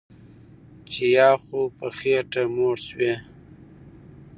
چې یا خو په خېټه موړ شوی